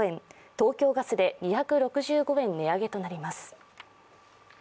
東京ガスで２６５円値上げとなります